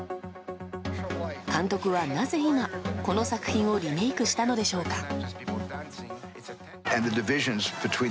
監督はなぜ今、この作品をリメイクしたのでしょうか。